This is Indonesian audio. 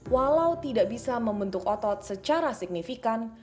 walau tidak bisa membentuk otot secara signifikan